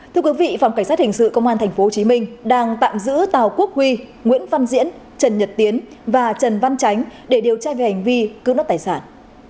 thưa quý vị phòng cảnh sát hình sự công an tp hcm đang tạm giữ tàu quốc huy nguyễn văn diễn trần nhật tiến và trần văn tránh để điều tra về hành vi cướp nốt tài sản